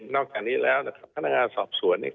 นอกจากนี้นะครับพนักงานสอบสวนเนี้ย